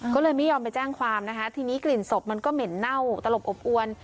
ก็เลยไม่ยอมไปแจ้งความนะคะทีนี้กลิ่นศพมันก็เหม็นเน่าตลบอบอวน